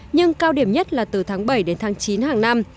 nhưng cao điểm nhất là từ tháng bảy đến tháng chín hàng năm